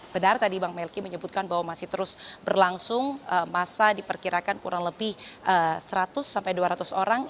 benar tadi bang melki menyebutkan bahwa masih terus berlangsung masa diperkirakan kurang lebih seratus sampai dua ratus orang